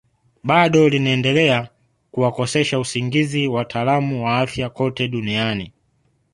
Bado linaendelea kuwakosesha usingizi wataalamu wa afya kote duniani